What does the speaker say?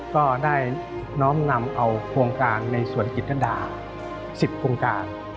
ก็ได้น้อมนำเอาโครงการในสวนกิจดา๑๐โครงการ